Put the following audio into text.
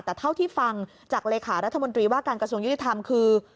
แต่เท่าที่ฟังจากเลขารัฐมนตรีว่าการกระทรวงยุติธรรมคือ